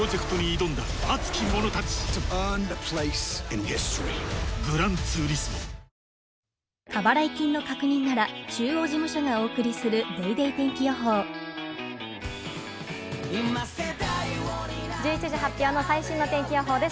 ニトリ１１時発表の最新の天気予報です。